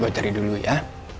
gua cari dulu ya